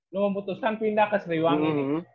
lu memutuskan pindah ke sriwangi nih